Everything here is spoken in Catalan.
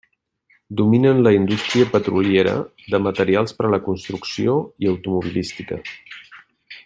Dominen la indústria petroliera, de materials per a la construcció i automobilística.